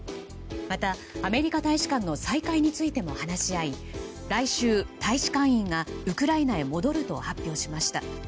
また、アメリカ大使館の再開についても話し合い来週、大使館員がウクライナに戻ると発表しました。